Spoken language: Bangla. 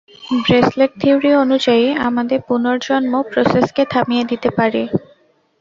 ব্রেসলেট, থিওরি অনুযায়ী, আমাদের পুণর্জন্ম প্রোসেসকে থামিয়ে দিতে পারে।